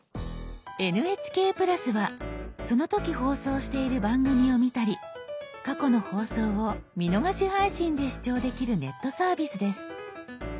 「ＮＨＫプラス」はその時放送している番組を見たり過去の放送を「見逃し配信」で視聴できるネットサービスです。